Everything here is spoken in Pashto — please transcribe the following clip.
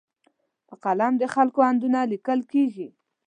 په قلم د خلکو اندونه لیکل کېږي.